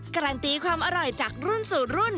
การันตีความอร่อยจากรุ่นสู่รุ่น